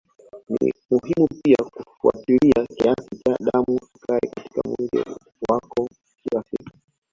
Ni muhimu pia kufuatilia kiasi cha damu sukari katika mwili wako kila siku